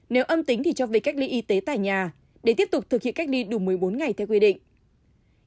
nếu âm tính thì cho về cách ly y tế tại nhà để tiếp tục thực hiện cách ly đủ một mươi bốn ngày theo quy định